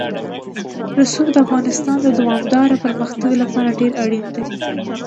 رسوب د افغانستان د دوامداره پرمختګ لپاره ډېر اړین دي.